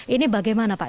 ini bagaimana pak